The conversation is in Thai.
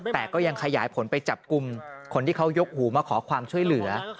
แต่ก็ยังขยายผลไปจับกลุ่มคนที่เขายกหูมาขอความช่วยเหลือ